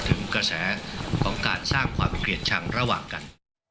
ถึงกระแสของการสร้างความเกลียดชังระหว่างกัน